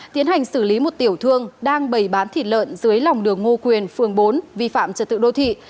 tiến hành xử lý một tiểu thương đang bày bán thịt lợn dưới lòng đường ngô quyền phường bốn vi phạm trật tự đô thị